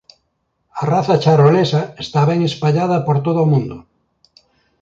A raza charolesa está ben espallada por todo o mundo.